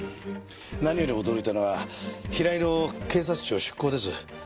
何より驚いたのは平井の警察庁出向です。